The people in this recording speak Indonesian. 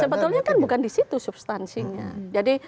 sebetulnya kan bukan di situ substansinya